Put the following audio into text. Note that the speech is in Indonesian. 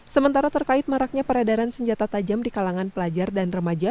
sementara terkait maraknya peredaran senjata tajam di kalangan pelajar dan remaja